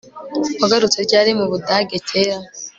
Wagarutse ryari mu Budage cyera